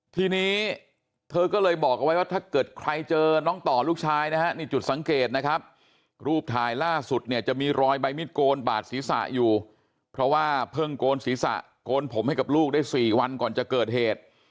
ทีนี้เธอก็เลยบอกเอาไว้ว่าถ้าเกิดใครเจอน้องต่อลูกชายนะฮะนี่จุดสังเกตนะครับรูปถ่ายล่าสุดเนี่ยจะมีรอยใบมิดโกนบาดศีรษะอยู่เพราะว่าเพิ่งโกนศีรษะโกนผมให้กับลูกได้๔วันก่อนจะเกิดเหตุ